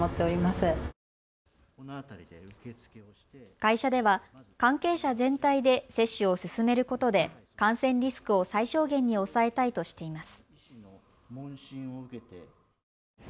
会社では関係者全体で接種を進めることで感染リスクを最小限に抑えたいとしています。